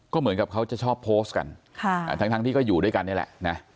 ก็เหมือนกับเขาจะชอบโพสต์กันทั้งที่ก็อยู่ด้วยกันนี่แหละนะ